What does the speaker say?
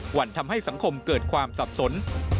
วันทำให้สังคมเกิดความสับสน